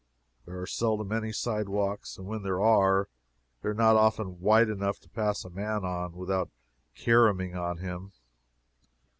There are seldom any sidewalks, and when there are, they are not often wide enough to pass a man on without caroming on him.